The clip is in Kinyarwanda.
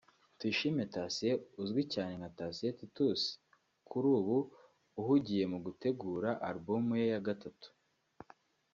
Tuyishime Thacien uzwi cyane nka Thacien Titus kuri ubu uhugiye mu gutegura album ye ya gatatu